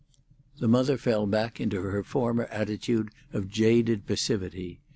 The mother fell back into her former attitude of jaded passivity.